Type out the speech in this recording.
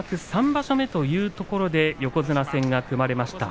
３場所目というところで横綱戦が組まれました。